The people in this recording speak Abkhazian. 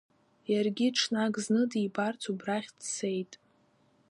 Иаргьы ҽнак зны дибарц убрахь дцеит.